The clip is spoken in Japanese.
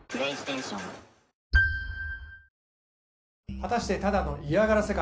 果たしてただの嫌がらせか？